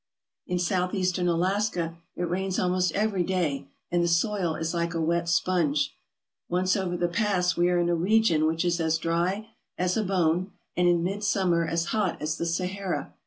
In Southeastern Alaska it rains almost every day, and the soil is like a wet sponge. Once over the pass we are in a region which is as dry as a bone and in midsummer as hot as the Sahara.